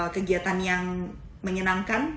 kegiatan yang menyenangkan